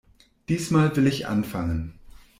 Diesmal will ich anfangen.